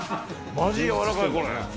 まじやわらかい、これ。